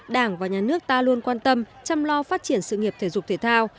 đảng và nhà nước ta luôn quan tâm chăm lo phát triển sự nghiệp thể dục thể thao